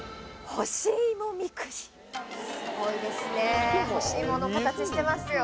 干しいもの形してますよ